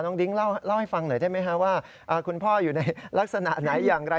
ดิ้งเล่าให้ฟังหน่อยได้ไหมฮะว่าคุณพ่ออยู่ในลักษณะไหนอย่างไร